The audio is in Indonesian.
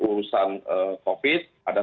urusan covid ada